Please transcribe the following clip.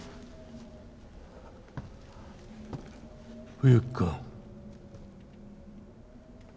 ・・・冬木君。